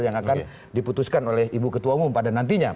yang akan diputuskan oleh ibu ketua umum pada nantinya